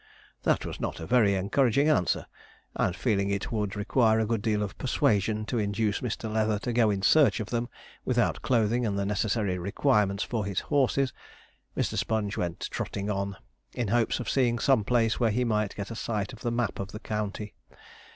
That was not a very encouraging answer; and feeling it would require a good deal of persuasion to induce Mr. Leather to go in search of them without clothing and the necessary requirements for his horses, Mr. Sponge went trotting on, in hopes of seeing some place where he might get a sight of the map of the county.